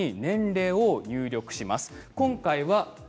まず最初に年齢を入力します。